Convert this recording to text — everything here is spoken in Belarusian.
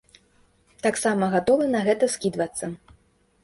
Таксама гатовы на гэта скідвацца.